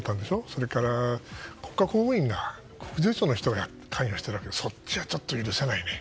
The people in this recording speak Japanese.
それから国家公務員が国税庁の人が関与していてそっちはちょっと許せないね。